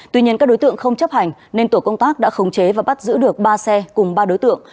tuy nhiên các đối tượng không chấp hành nên tổ công tác đã khống chế và bắt giữ được ba xe cùng ba đối tượng